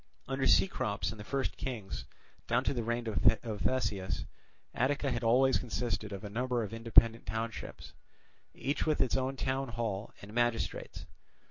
Under Cecrops and the first kings, down to the reign of Theseus, Attica had always consisted of a number of independent townships, each with its own town hall and magistrates.